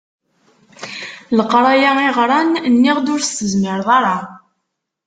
Leqraya i ɣran, nniɣ-d ur s-tezmireḍ ara.